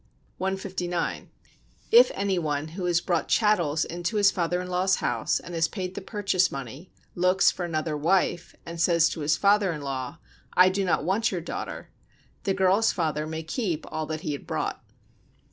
159. If any one, who has brought chattels into his father in law's house, and has paid the purchase money, looks for another wife, and says to his father in law: "I do not want your daughter," the girl's father may keep all that he had brought.